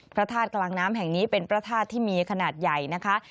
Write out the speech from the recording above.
พระธาตุกลางน้ำแห่งนี้เป็นพระธาตุที่มีขนาดใหญ่นะคะ